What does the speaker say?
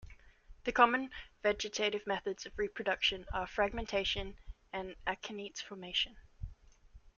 The common vegetative methods of reproduction are fragmentation and akinete formation.